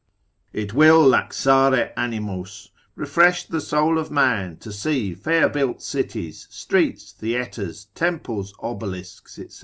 It will laxare animos, refresh the soul of man to see fair built cities, streets, theatres, temples, obelisks, &c.